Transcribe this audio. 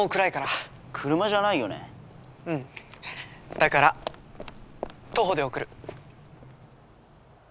だから徒歩で送る。